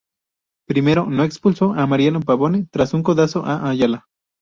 Primero, no expulsó a Mariano Pavone tras un codazo a Ayala.